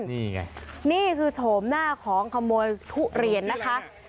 นี่ไงนี่คือโฉมหน้าของขโมยทุเรียนนะคะ